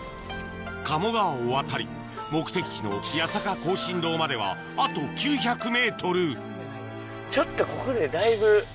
鴨川を渡り目的地の八坂庚申堂まではあと９００ｍちょっとここでだいぶ。